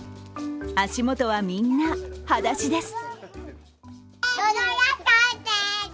足元は、みんなはだしです。